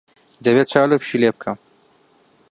دەبێت چاو لەم پشیلەیە بکەم.